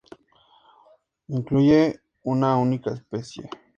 Incluye una única especie.